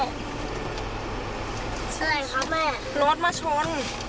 รถมาชน